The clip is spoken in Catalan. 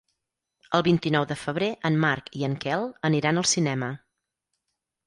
El vint-i-nou de febrer en Marc i en Quel aniran al cinema.